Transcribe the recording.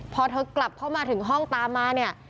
พอเธอกลับเข้ามาถึงห้องตามมาเนี่ย